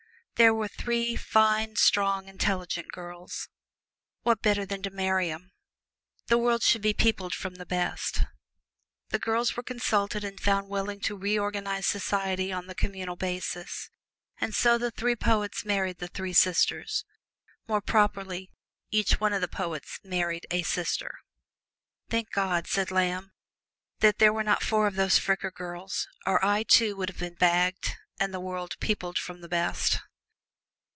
There were three fine, strong, intelligent girls what better than to marry 'em? The world should be peopled from the best. The girls were consulted and found willing to reorganize society on the communal basis, and so the three poets married the three sisters more properly, each of the three poets married a sister. "Thank God," said Lamb, "that there were not four of those Fricker girls, or I, too, would have been bagged, and the world peopled from the best!"